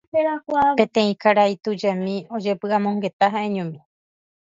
peteĩ karai tujami ojepy'amongeta ha'eñomi